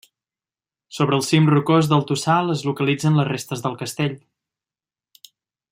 Sobre el cim rocós del tossal es localitzen les restes del castell.